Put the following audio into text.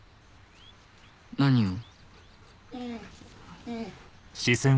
何を？